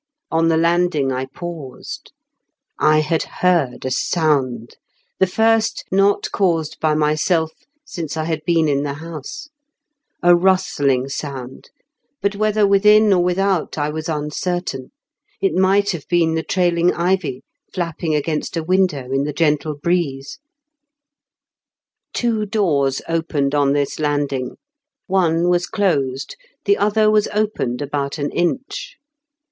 On the landing I paused. I had heard a sound — the first not caused by myself since I had been in the house — a rustling sound, but whether within or without I was uncertain It might have been the trailing ivy flapping against a window in the gentle breeze. 240 IN KENT WITH 0HAELE8 BIGKEN8. Two doors opened on this landing. One was closed, the other was opened about an inch.